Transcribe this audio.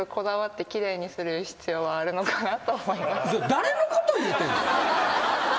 誰のこと言うてんの？